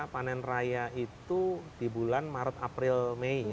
panen raya itu di bulan maret april mei